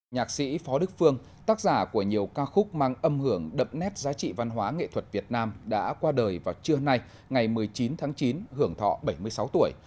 nhạc sĩ phó đức phương tác giả của nhiều ca khúc mang âm hưởng đậm nét giá trị văn hóa nghệ thuật việt nam đã qua đời vào trưa nay ngày một mươi chín tháng chín hưởng thọ bảy mươi sáu tuổi